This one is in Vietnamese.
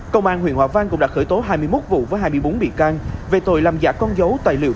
công an huyện hòa vang cũng đã khởi tố hai mươi một vụ với hai mươi bốn bị can về tội làm giả con dấu tài liệu